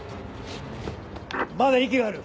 まだ息がある。